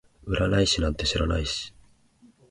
占い師なんて知らないし